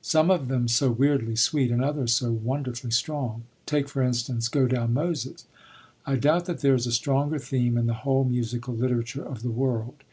Some of them so weirdly sweet, and others so wonderfully strong. Take, for instance, "Go down, Moses." I doubt that there is a stronger theme in the whole musical literature of the world.